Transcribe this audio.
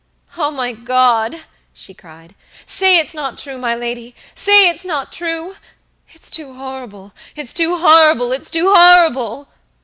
"Oh, my God!" she cried. "Say it's not true, my lady, say it's not true! It's too horrible, it's too horrible, it's too horrible!"